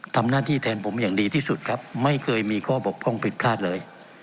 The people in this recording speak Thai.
ทำหน้าที่แทนผมอย่างดีที่สุดครับไม่เคยมีข้อบกพร่องผิดพลาดเลย